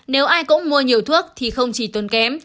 nếu ai cũng mua nhiều thuốc thì không chỉ tốn kém